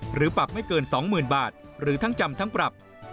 ปรับไม่เกิน๒๐๐๐บาทหรือทั้งจำทั้งปรับ